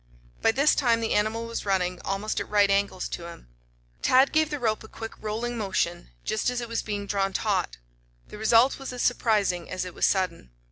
By this time the animal was running almost at right angles to him. Tad gave the rope a quick rolling motion just as it was being drawn taut. The result was as surprising as it was sudden.